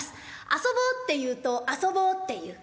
「『遊ぼう』っていうと『遊ぼう』っていう。